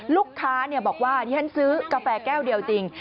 ลูกค้าบอกว่าที่ฉันซื้อกาแฟแก้วเดียวจริง